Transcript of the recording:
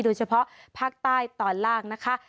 โดยเฉพาะภาคใต้ตอนล่างนะคะ